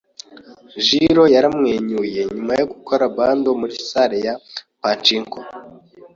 Jiro yaramwenyuye nyuma yo gukora bundle muri salle ya pachinko.